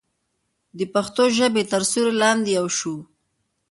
د پښتو ژبې تر سیوري لاندې یو شو.